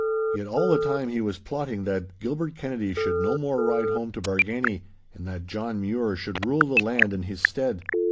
Yet all the time he was plotting that Gilbert Kennedy should no more ride home to Bargany, and that John Mure should rule the land in his stead.